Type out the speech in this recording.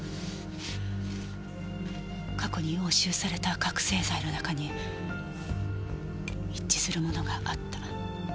過去に押収された覚せい剤の中に一致するものがあった。